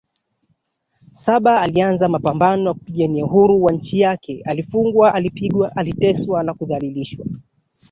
saba alianza mapambano ya kupigania Uhuru wa nchi yake alifungwa alipigwa aliteswa na kudhalilishwa